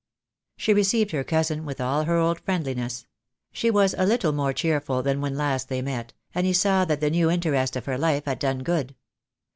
She received her cousin with all her old friendliness. She was a little more cheerful than when last they met, and he saw that the new interest of her life had done good.